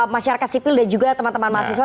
masyarakat sipil dan juga teman teman mahasiswa